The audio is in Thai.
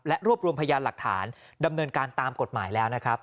และรวบรวมพยานหลักฐานดำเนินการตามกฎหมายแล้วนะครับ